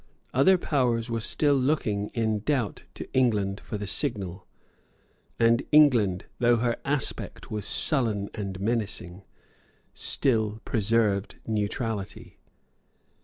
Other powers were still looking in doubt to England for the signal; and England, though her aspect was sullen and menacing, still preserved neutrality.